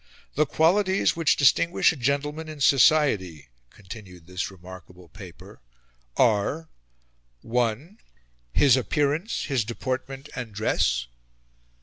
"The qualities which distinguish a gentleman in society," continued this remarkable paper, "are: (1) His appearance, his deportment and dress.